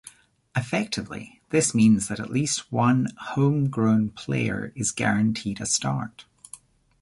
Effectively this means that at least one home grown player is guaranteed a start.